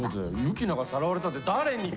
ユキナがさらわれたって誰に！？